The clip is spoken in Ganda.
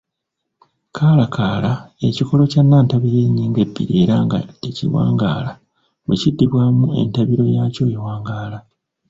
kalaakala:Ekikolo kya nnantabira ey’ennyingo ebbiri era nga tekiwangaala, bwe kiddibwamu entabiro yaakyo ewangaala.